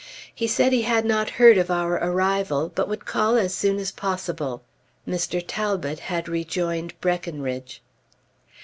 He said he had not heard of our arrival, but would call as soon as possible. Mr. Talbot had joined Breckinridge.